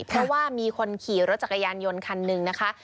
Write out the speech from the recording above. เพราะว่ามีคนขี่รถจักรยานยนต์คันหนึ่งนะคะ